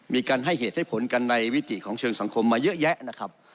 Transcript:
มีการให้เหตุให้ผลกันในวิติของเชิงสังคมมาเยอะแยะนะครับ